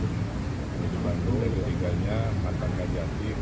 ini dibantu ketiganya mantan kajah tim